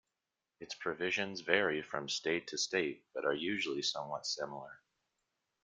Its provisions vary from state to state but are usually somewhat similar.